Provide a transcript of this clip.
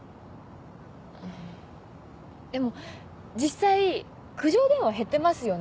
でも実際苦情電話減ってますよね。